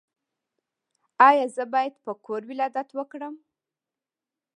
ایا زه باید په کور ولادت وکړم؟